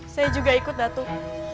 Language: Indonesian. saya juga ikut datuk